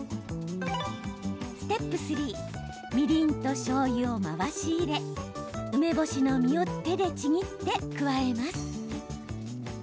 ステップ３みりんとしょうゆを回し入れ梅干しの実を手でちぎって加えます。